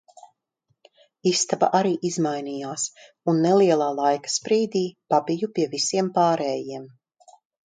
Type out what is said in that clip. Istaba arī izmainījās un nelielā laika sprīdī pabiju pie visiem pārējiem.